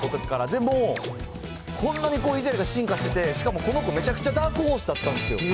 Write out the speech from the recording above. でも、こんなにコーヒーゼリーが進化してて、しかもこの子、めちゃくちゃダークホースだったんですよ。